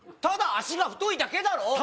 ただ脚が太いだけだろ？